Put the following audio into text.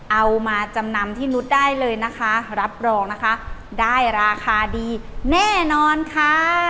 เอามาจำนำที่นุษย์ได้เลยนะคะรับรองนะคะได้ราคาดีแน่นอนค่ะ